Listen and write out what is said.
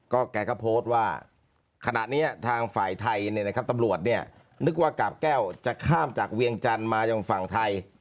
แกก็โพสต์ว่าขณะนี้ทางฝ่ายไทยตำรวจเนี่ยนึกว่ากาบแก้วจะข้ามจากเวียงจันทร์มายังฝั่งไทย